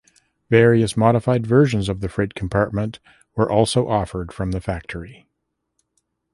Various modified versions of the freight compartment were also offered from the factory.